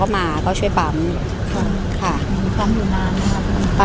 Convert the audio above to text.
ภาษาสนิทยาลัยสุดท้าย